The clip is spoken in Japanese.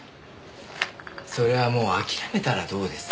それはもう諦めたらどうですか？